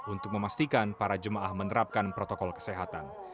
untuk memastikan para jemaah menerapkan protokol kesehatan